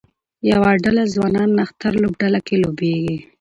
یوه ډله ځوانان نښتر لوبډله کې لوبیږي